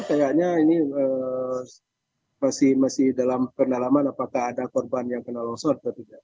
kayaknya ini masih dalam pendalaman apakah ada korban yang kena longsor atau tidak